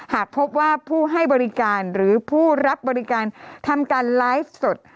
หากพบว่าผู้ให้บริการหรือผู้รับบริการทำการไลฟ์สด